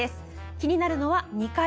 気になるのは２階。